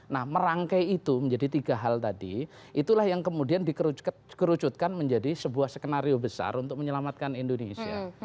nah merangkai itu menjadi tiga hal tadi itulah yang kemudian dikerucutkan menjadi sebuah skenario besar untuk menyelamatkan indonesia